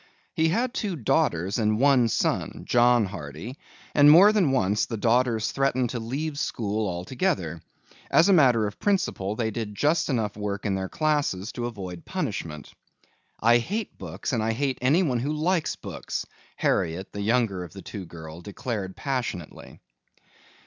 He had two daughters and one son, John Hardy, and more than once the daughters threatened to leave school altogether. As a matter of principle they did just enough work in their classes to avoid punishment. "I hate books and I hate anyone who likes books," Harriet, the younger of the two girls, declared passionately.